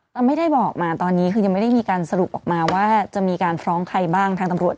เราไม่ได้บอกมาตอนนี้คือยังไม่ได้มีการสรุปออกมาว่าจะมีการฟ้องใครบ้างทางตำรวจ